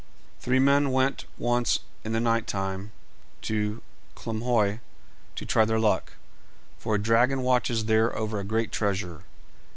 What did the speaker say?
Three men went once in the night time to Klumhöi to try their luck, for a dragon watches there over a great treasure.